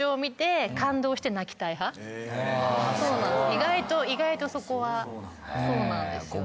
意外と意外とそこはそうなんですよね